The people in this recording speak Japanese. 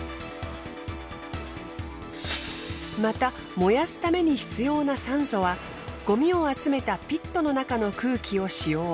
また燃やすために必要な酸素はごみを集めたピットの中の空気を使用。